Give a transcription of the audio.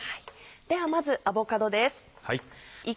ではまずアボカドです。